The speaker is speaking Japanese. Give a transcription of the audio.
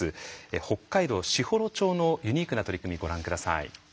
北海道士幌町のユニークな取り組みご覧下さい。